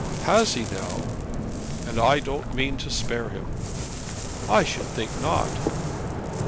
"Has he, now?" "And I don't mean to spare him." "I should think not."